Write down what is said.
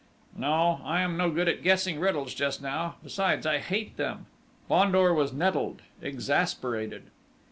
"No, I am no good at guessing riddles just now ... besides, I hate them!" Fandor was nettled, exasperated!